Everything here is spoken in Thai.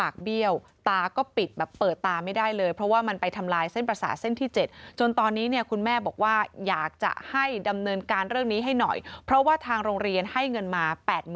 อยากจะให้ดำเนินการเรื่องนี้ให้หน่อยเพราะว่าทางโรงเรียนให้เงินมา๘๐๐๐